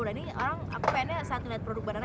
jadi orang aku pengennya saat liat produk banana